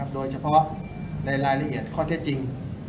โดยเฉพาะในรายละเอียดข้อเท็จจริง